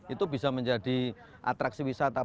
itu bisa menjadi atraksi wisata